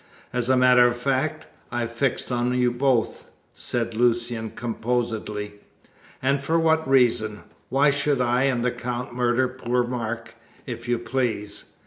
"As a matter of fact, I fixed on you both," said Lucian composedly. "And for what reason? Why should I and the Count murder poor Mark, if you please?